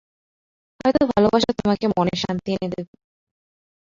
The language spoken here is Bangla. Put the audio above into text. হয়তো ভালোবাসা তোমাকে মনের শান্তি এনে দেবে।